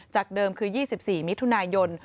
จากเดิมคือ๒๔มิตรุนายน